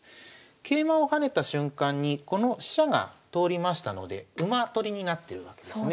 桂馬を跳ねた瞬間にこの飛車が通りましたので馬取りになってるわけですね。